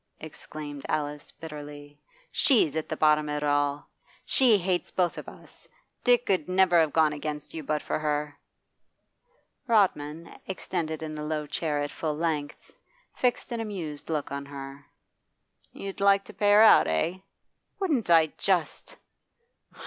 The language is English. exclaimed Alice bitterly. 'She's at the bottom of it all. She hates both of us. Dick 'ud never have gone against you but for her.' Rodman, extended in the low chair at full length, fixed an amused look on her. 'You'd like to pay her out, eh?' 'Wouldn't I just!' 'Ha!